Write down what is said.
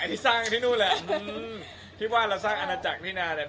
ทั้งเชียงใหม่ทั้งกรุงเทพ